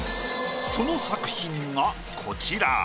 その作品がこちら。